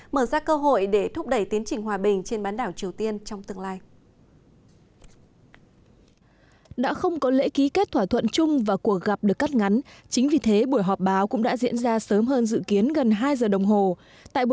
mở ra cơ hội để thúc đẩy tiến trình hòa bình trên bán đảo triều tiên trong tương lai